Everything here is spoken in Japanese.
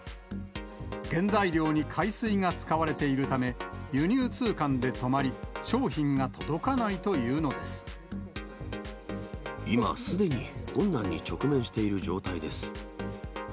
原材料に海水が使われているため、輸入通関で止まり、商品が届かな今、すでに困難に直面している状態です。